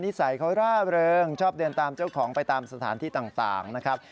สัยเขาร่าเริงชอบเดินตามเจ้าของไปตามสถานที่ต่างนะครับ